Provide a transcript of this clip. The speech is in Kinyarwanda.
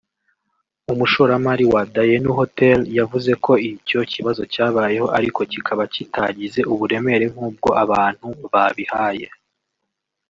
umushoramari wa Dayenu Hotel yavuze ko icyo kibazo cyabayeho ariko kikaba kitagize uburemere nk’ubwo abantu babihaye